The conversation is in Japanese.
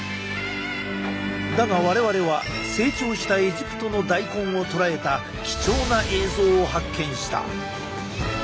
だが我々は成長したエジプトの大根を捉えた貴重な映像を発見した。